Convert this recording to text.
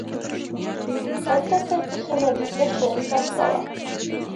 په ټټر کښې مې د تشې احساس کاوه.